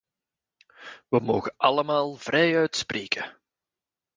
We mogen allemaal vrijuit spreken.